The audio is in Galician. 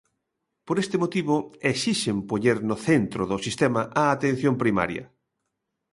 Por este motivo exixen poñer no centro do sistema á Atención Primaria.